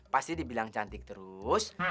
pasti dibilang cantik terus